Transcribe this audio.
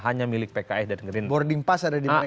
hanya milik pks dan gerindra